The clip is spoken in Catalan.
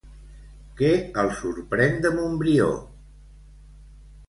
Què el sorprèn de Montbrió?